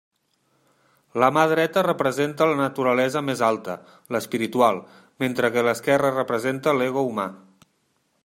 La mà dreta representa la naturalesa més alta, l'espiritual, mentre que l'esquerra representa l'ego humà.